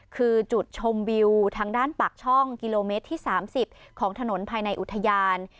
คือจุดชมวิวทางด้านปากช่องกิโลเมตรที่๓๐ของถนนภายในอุทยาน